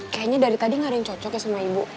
kayaknya dari tadi gak ada yang cocok ya sama ibu